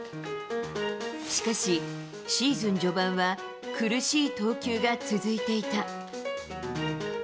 しかし、シーズン序盤は苦しい投球が続いていた。